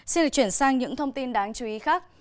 xin được chuyển sang những thông tin đáng chú ý khác